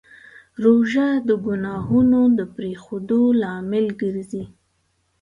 روژه د ګناهونو د پرېښودو لامل ګرځي.